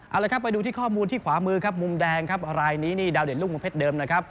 เอาละครับไปดูที่ข้อมูลที่ขวามือครับมุมแดงครับรายนี้นี่ดาวเด่นลูกประเภทเดิมนะครับ